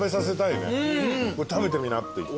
これ食べてみなって言って。